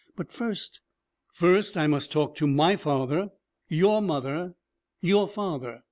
'But first ' 'First I must talk to my father, your mother, your father.'